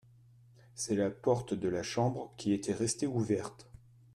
c'est la porte de la chambre qui était resté ouverte.